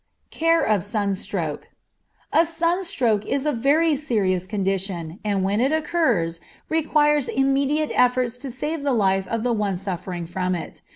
Care of Sunstroke. A sunstroke is a very serious condition, and when it occurs, requires immediate efforts to save the life of the one suffering from it.